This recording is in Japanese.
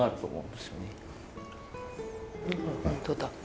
本当だ。